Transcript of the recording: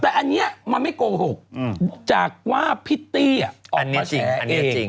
แต่อันนี้มันไม่โกหกจากว่าพิตตี้อ่ะออกมาแฉเองอันนี้จริง